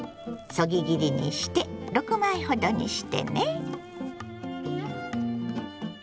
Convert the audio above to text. そぎ切りにして６枚ほどにしてね。